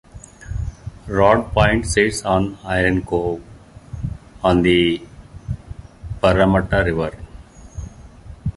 Rodd Point sits on Iron Cove, on the Parramatta River.